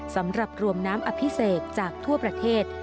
สำหรับรวมน้ำอภิเษกจากทั่วประเทศ